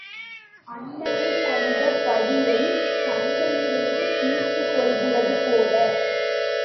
அண்ணனைக் கொன்ற பழியைச் சந்தையிலே தீர்த்துக் கொள்கிறது போல.